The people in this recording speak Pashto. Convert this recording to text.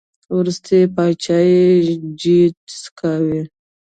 وروستی پاچا یې جیډ سکای و